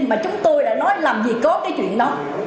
mà chúng tôi đã nói làm gì có cái chuyện đó